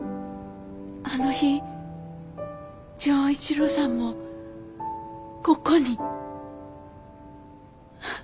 あの日錠一郎さんもここに。